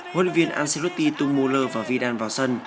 hội viên ancelotti tung muller và wiedan vào sân